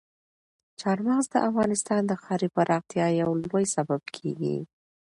چار مغز د افغانستان د ښاري پراختیا یو لوی سبب کېږي.